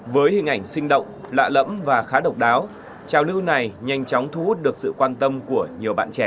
với hình ảnh sinh động lạ lẫm và khá độc đáo trào lưu này nhanh chóng thu hút được sự quan tâm của nhiều bạn trẻ